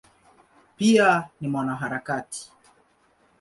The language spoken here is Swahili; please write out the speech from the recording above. Pia ni mwanaharakati.